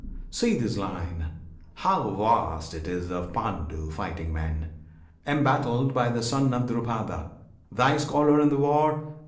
see this line, How vast it is of Pandu fighting men, Embattled by the son of Drupada, Thy scholar in the war!